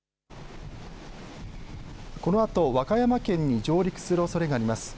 このあと和歌山県に上陸するおそれがあります。